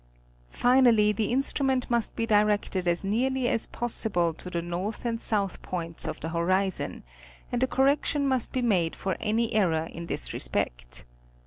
Finally the instrument must be directed as nearly as possible to the north and south points of the horizon, and a correction must be made for any error in this respect.